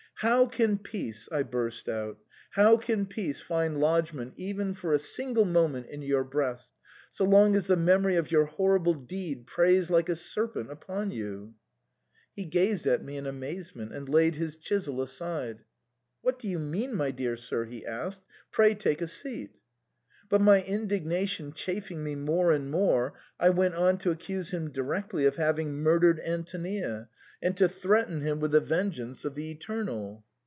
" How can peace," I burst out, "how can peace find lodgment even for a single moment in your breast, so long as the memory of your horrible deed preys like a serpent upon you ?" He gazed at me in amazement, and laid his chisel aside. " What do you mean, my dear sir ?" he asked ;" pray take a seat." But my indignation chafing me more and more, I went on to accuse him directly of having murdered Antonia, and to threaten him with the ven geance of the Eternal.